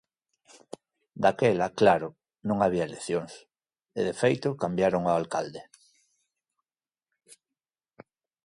Daquela, claro, non había eleccións... E de feito cambiaron o alcalde.